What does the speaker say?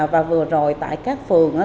và vừa rồi tại các phường á